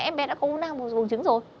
em bé đã có u năng bùng trứng rồi